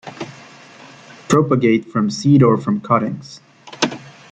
Propagate from seed or from cuttings.